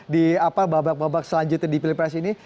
di babak babak selanjutnya di piala pres ini